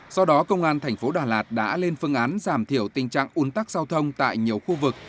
do đó công an thành phố đà lạt đã lên phương án giảm thiểu tình trạng un tắc giao thông tại nhiều khu vực